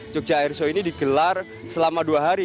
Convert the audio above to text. jogja airshow ini digelar selama dua hari